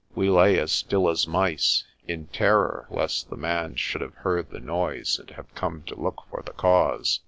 We lay as still as mice, in terror! lest the man should have heard the noise and have come to look for the cause.